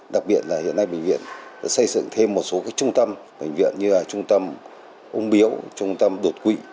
đặc biệt là hiện nay bệnh viện đã xây dựng thêm một số trung tâm bệnh viện như trung tâm ung biếu trung tâm đột quỵ